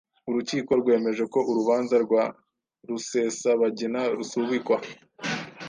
urukiko rwemeje ko urubanza rwa rusesabagina rusubikwa